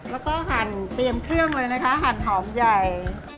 แล้วก็หั่นเตรียมเครื่องเลยนะคะหั่นหอมใหญ่